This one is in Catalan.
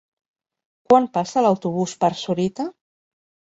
Quan passa l'autobús per Sorita?